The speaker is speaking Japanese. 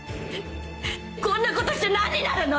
こんなことして何になるの！